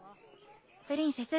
プリンセス